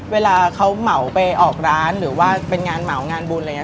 เวลาเค้าเหมาเลยออกร้านหรือเป็นงานเหมางานบุญ